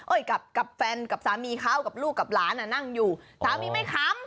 กับแฟนกับสามีเขากับลูกกับหลานอ่ะนั่งอยู่สามีไม่ค้ำ